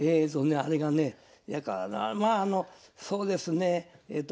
あれがねまああのそうですねえと。